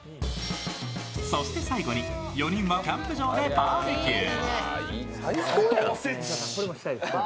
そして最後に４人はキャンプ場でバーベキュー。